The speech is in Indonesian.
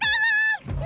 jadinya batang sedih